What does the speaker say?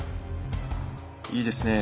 いいですね。